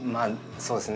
そうですね。